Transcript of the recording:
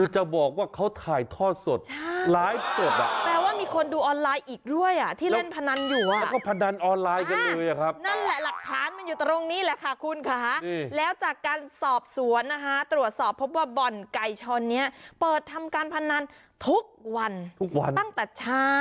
ก็คือมีผู้ประสงค์ดีเขาแจ้งค่ะ